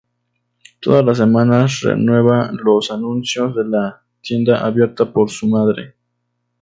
Todas las semanas renueva los anuncios de la tienda abierta por su madre.